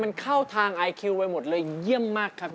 มันเข้าทางไอคิวไปหมดเลยเยี่ยมมากครับ